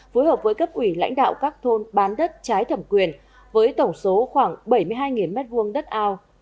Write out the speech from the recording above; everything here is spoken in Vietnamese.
phối hợp với cấp ủy lãnh đạo các thôn bán đất trái thẩm quyền với tổng số khoảng bảy mươi hai m hai đất ao